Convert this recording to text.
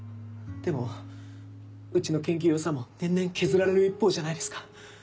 でもうちの研究予算も年々削られる一方じゃないですか。